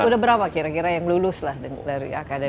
sudah berapa kira kira yang lulus lah dari akademi